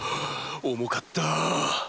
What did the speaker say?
重かった！